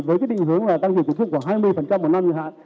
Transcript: với cái định hướng là tăng dịp tổ chức khoảng hai mươi một năm như hẳn